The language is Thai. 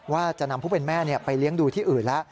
ว่าจะนำผู้เป็นแม่ไปเลี้ยงดูที่อื่นแล้ว